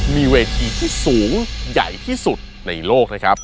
มีเวทีที่สูงใหญ่ที่สุดในโลกนะครับ